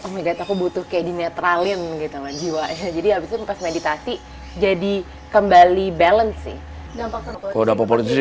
oh my god aku butuh kayak dineutralin gitu jadi habis itu pas meditasi jadi kembali balance sih